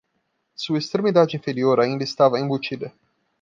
Sua extremidade inferior ainda estava embutida.